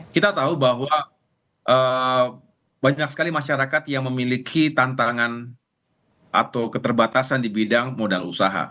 kita tahu bahwa banyak sekali masyarakat yang memiliki tantangan atau keterbatasan di bidang modal usaha